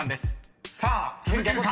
［さあ続けるか？